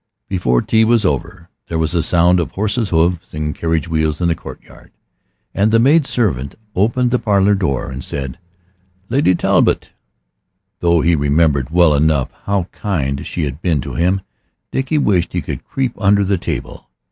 Before tea was over there was a sound of horses' hoofs and carriage wheels in the courtyard. And the maid servant opened the parlor door and said, "Lady Talbot." Though he remembered well enough how kind she had been to him, Dickie wished he could creep under the table.